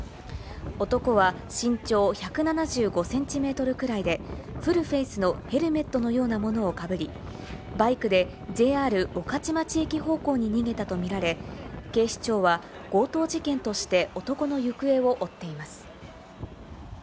男は身長１７５センチメートルくらいで、フルフェイスのヘルメットのようなものをかぶり、バイクでＪＲ御徒町駅方向に逃げたと見られ、警視庁は強盗事件として男の行方を追っています。